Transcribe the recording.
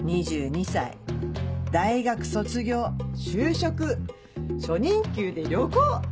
「２２歳大学卒業就職初任給で旅行」。